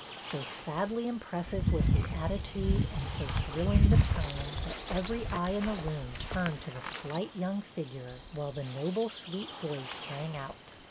" So sadly impressive was the attitude and so thrilling the tone, that every eye in the room turned to the slight young figure, while the noble, sweet voice rang out.